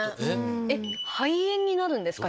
肺炎になるんですか？